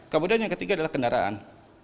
kemudian yang ketiga adalah kendaraan